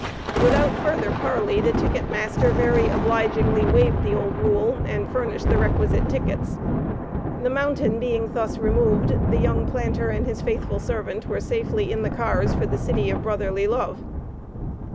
Without further parley, the ticket master very obligingly waived the old "rule," and furnished the requisite tickets. The mountain being thus removed, the young planter and his faithful servant were safely in the cars for the city of Brotherly Love.